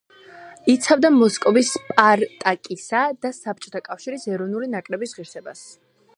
იცავდა მოსკოვის „სპარტაკისა“ და საბჭოთა კავშირის ეროვნული ნაკრების ღირსებას.